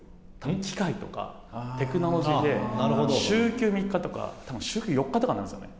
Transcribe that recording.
機械とかテクノロジーで、週休３日とか４日とかになるんですよね。